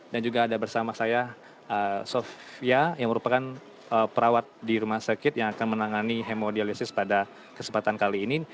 dan juga ada bersama saya sofia yang merupakan perawat di rumah sakit yang akan menangani hemodialisis pada kesempatan kali ini